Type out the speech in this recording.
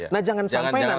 nah jangan sampai nanti